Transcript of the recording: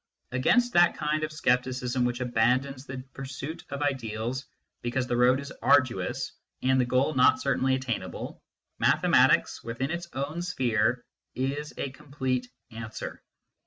Against that kind of scepticism which abandons the pursuit of ideals because the road is arduous and the goal not cer tainly attainable, mathematics, within its own sphere, is a complete answer.